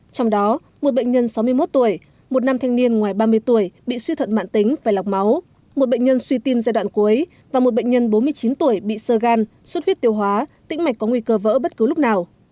trong đó một bệnh nhân sáu mươi một tuổi một nam thanh niên ngoài ba mươi tuổi bị suy thuận mạng tính phải lọc máu một bệnh nhân suy tim giai đoạn cuối và một bệnh nhân bốn mươi chín tuổi bị sơ gan suốt huyết tiêu hóa tĩnh mạch có nguy cơ vỡ bất cứ lúc nào